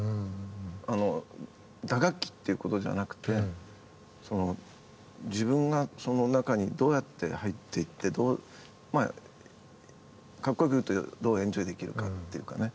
あの打楽器っていうことじゃなくて自分がその中にどうやって入っていってどうまあかっこよく言うとどうエンジョイできるかっていうかね。